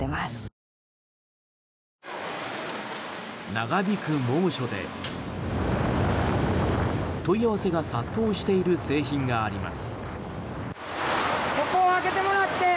長引く猛暑で問い合わせが殺到している製品があります。